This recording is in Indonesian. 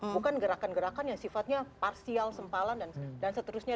bukan gerakan gerakan yang sifatnya parsial sempalan dan seterusnya